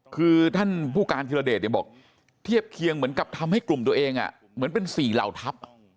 คือท่านผู้การธิรเดชบอกเทียบเคียงเหมือนกับทำให้กลุ่มตัวเองเหมือนเป็น๔เหล่าทัพ